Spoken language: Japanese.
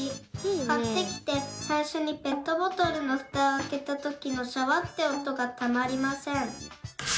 かってきてさいしょにペットボトルのふたをあけたときのシャワッて音がたまりません。